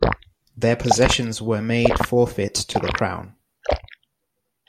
Their possessions were made forfeit to the crown.